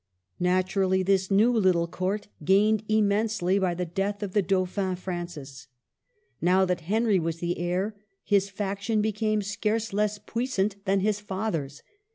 Naturally, this new little Court gained im mensely by the death of the Dauphin Francis. Now that Henry was the heir, his faction became scarce less puissant than his father's.